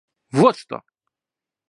Вот что!